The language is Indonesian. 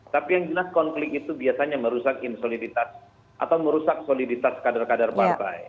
tapi yang jelas konflik itu biasanya merusak insoliditas atau merusak soliditas kader kader partai